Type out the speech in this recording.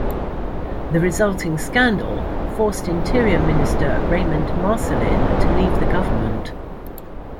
The resulting scandal forced Interior Minister Raymond Marcellin to leave the government.